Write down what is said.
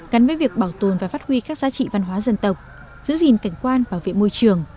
gắn với việc bảo tồn và phát huy các giá trị văn hóa dân tộc giữ gìn cảnh quan bảo vệ môi trường